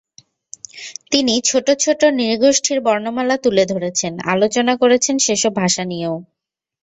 তিনি ছোট ছোট নৃগোষ্ঠীর বর্ণমালা তুলে ধরেছেন, আলোচনা করেছেন সেসব ভাষা নিয়েও।